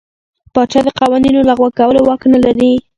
پاچا د قوانینو لغوه کولو واک نه لري.